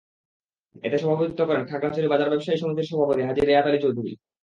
এতে সভাপতিত্ব করেন খাগড়াছড়ি বাজার ব্যবসায়ী সমিতির সভাপতি হাজি রেয়াত আলী চৌধুরী।